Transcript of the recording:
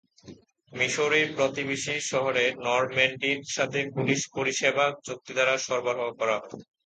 মিসৌরির প্রতিবেশী শহর নরম্যানডির সাথে পুলিশ পরিষেবা চুক্তি দ্বারা সরবরাহ করা হয়।